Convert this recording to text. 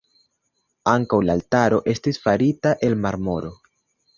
Ankaŭ la altaro estis farita el marmoro.